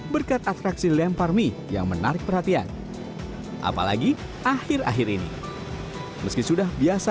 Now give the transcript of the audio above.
berkat atraksi lempar mie yang menarik perhatian apalagi akhir akhir ini meski sudah biasa